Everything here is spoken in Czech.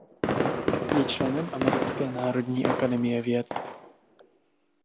Je členem americké Národní akademie věd.